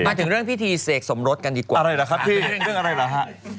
มาถึงเรื่องพิธีเสกสมรสกันดีกว่าอะไรล่ะครับพี่เรื่องอะไรเหรอฮะ